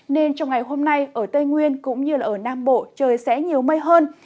nên trong ngày hôm nay ở tây nguyên cũng như ở nam bộ trời sẽ nhiều mây hơn